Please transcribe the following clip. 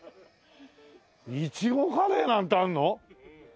苺カレーなんてあるの！？